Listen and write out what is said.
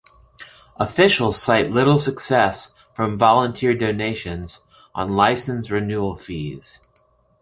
Officials cite little success from volunteer donations on license renewal fees.